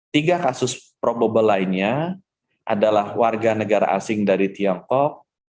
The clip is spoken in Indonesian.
tiga kasus probable lainnya adalah warga negara asing dari tiongkok